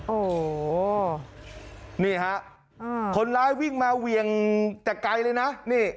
โอ้โหนี่ฮะคนร้ายวิ่งมาเวียงแต่ไกลเลยนะนี่